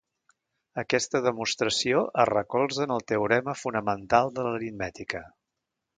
Aquesta demostració es recolza en el teorema fonamental de l'aritmètica.